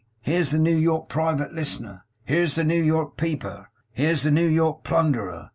Here's the New York Private Listener! Here's the New York Peeper! Here's the New York Plunderer!